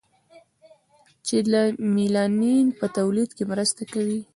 چې د میلانین په تولید کې مرسته کوي.